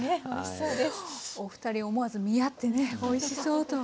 お二人思わず見合ってね「おいしそう」と。